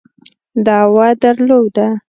دعوه درلوده.